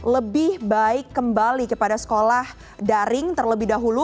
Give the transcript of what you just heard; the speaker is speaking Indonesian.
lebih baik kembali kepada sekolah daring terlebih dahulu